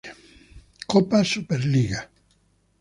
Copa superliga